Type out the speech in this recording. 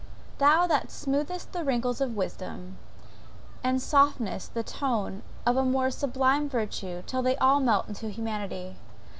Thou that smoothest the wrinkles of wisdom, and softenest the tone of the more sublime virtues till they all melt into humanity!